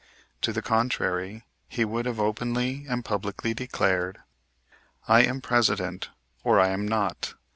To the contrary, he would have openly and publicly declared: "I am President, or I am not.